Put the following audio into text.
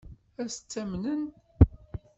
Ad t-amnen?